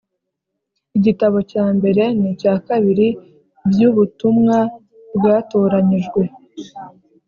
Igitabo cya mbere n’icya kabiri by’Ubutumwa Bwatoranyijwe,